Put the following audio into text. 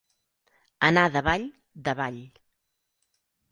Anar davall, davall.